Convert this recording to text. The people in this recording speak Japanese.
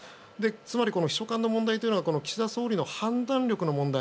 つまり、秘書官の問題は岸田総理の判断力の問題。